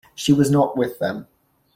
She was not with them.